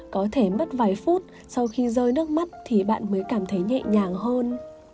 có thể mất vài phút sau khi rơi nước mắt thì bạn mới cảm thấy nhẹ nhàng hơn